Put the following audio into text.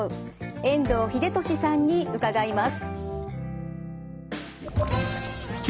遠藤英俊さんに伺います。